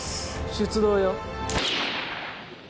出動よ。